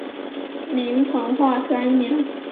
明成化三年。